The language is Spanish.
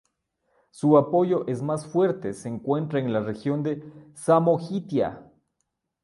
Su apoyo es más fuerte se encuentra en la región de Samogitia.